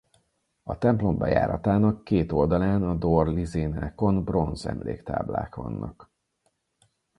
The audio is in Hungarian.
A templom bejáratának két oldalán a dór lizénákon bronz emléktáblák vannak.